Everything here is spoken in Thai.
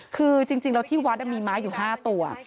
คือจริงแล้วที่วัดมีม้าอยู่๕ตัว